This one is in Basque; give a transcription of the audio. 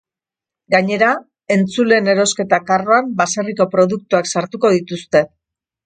Gainera entzuleen erosketa karroan baserriko produktuak sartuko dituzte.